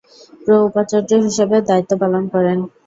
প্রো-উপাচার্য হিসাবেও দায়িত্ব পালন করেন।